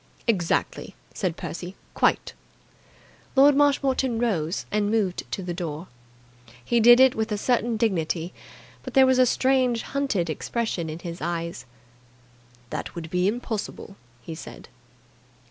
"Exactly!" said Percy. "Quite!" Lord Marshmoreton rose and moved to the door. He did it with a certain dignity, but there was a strange hunted expression in his eyes. "That would be impossible," he said.